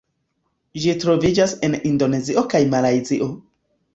Ĝi troviĝas en Indonezio kaj Malajzio.